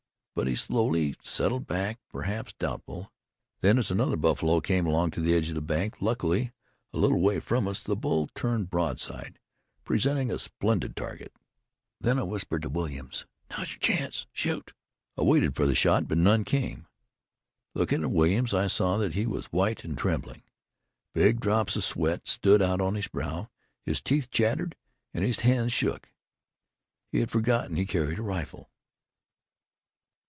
But he slowly settled back, perhaps doubtful. Then, as another buffalo came to the edge of the bank, luckily a little way from us, the bull turned broadside, presenting a splendid target. Then I whispered to Williams: 'Now's your chance. Shoot!' I waited for the shot, but none came. Looking at Williams, I saw he was white and trembling. Big drops of sweat stood out on his brow his teeth chattered, and his hands shook. He had forgotten he carried a rifle."